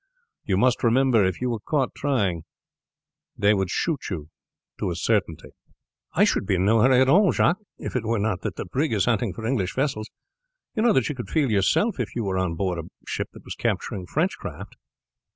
You must remember if you were caught trying it they would shoot you to a certainty." "I should be in no hurry at all, Jacques, if it were not that the brig is hunting for English vessels. You know what you would feel yourself if you were on board a ship that was capturing French craft."